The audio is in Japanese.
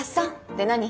で何？